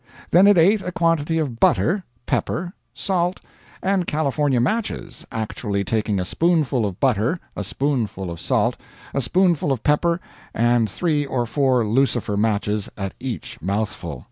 Then it ate a quantity of butter, pepper, salt, and California matches, actually taking a spoonful of butter, a spoonful of salt, a spoonful of pepper, and three or four lucifer matches at each mouthful.